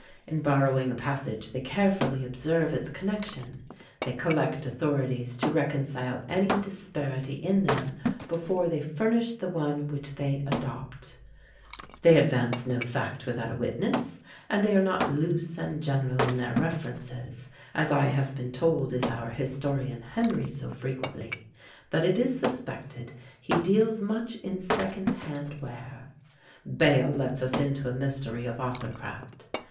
In borrowing a passage, they carefully observe its connexion; they collect authorities to reconcile any disparity in them before they furnish the one which they adopt; they advance no fact without a witness, and they are not loose and general in their references, as I have been told is our historian Henry so frequently, that it is suspected he deals much in second hand ware. Bayle lets us into a mystery of author craft.